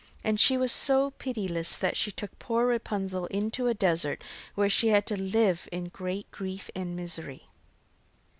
And she was so pitiless that she took poor Rapunzel into a desert where she had to live in great grief and misery.